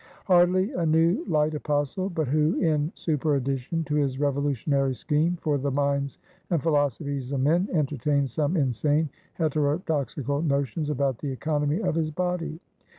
Hardly a new light Apostle, but who, in superaddition to his revolutionary scheme for the minds and philosophies of men, entertains some insane, heterodoxical notions about the economy of his body.